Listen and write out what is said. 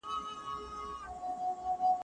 د زړه ضربان مو وګورئ.